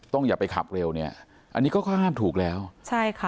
อย่าไปขับเร็วเนี่ยอันนี้ก็เขาห้ามถูกแล้วใช่ค่ะ